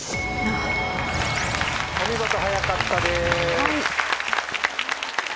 お見事早かったです。